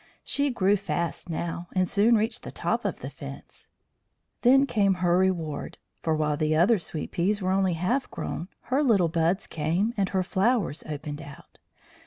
She grew fast now, and soon reached the top of the fence. Then came her reward; for while the other sweet peas were only half grown, her little buds came and her flowers opened out.